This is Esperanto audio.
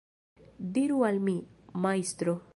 Diru al mi, majstro.